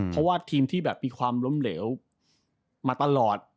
เพราะว่าทีมที่แบบมีความล้มเหลวมาตลอด